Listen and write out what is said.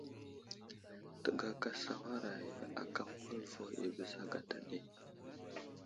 Təgaka sawaray aka məhwal vo i bəza gata ɗi.